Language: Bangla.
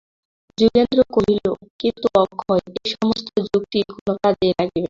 যোগেন্দ্র কহিল, কিন্তু অক্ষয়, এ-সমস্ত যুক্তি কোনো কাজেই লাগিবে না।